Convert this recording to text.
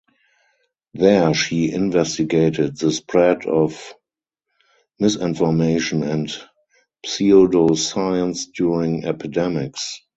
There she investigated the spread of misinformation and pseudoscience during epidemics.